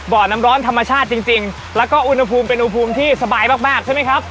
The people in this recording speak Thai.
บ่อน้ำร้อนธรรมชาติจริงแล้วก็อุณหภูมิเป็นอุณหภูมิที่สบายมากมากใช่ไหมครับ